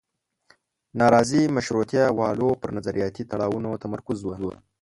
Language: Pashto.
نارضي مشروطیه والو پر نظریاتي تړاوونو تمرکز و.